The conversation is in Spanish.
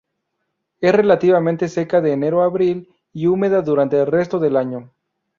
Es relativamente seca de enero a abril y húmeda durante el resto del año.